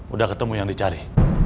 udah ketemu yang dicari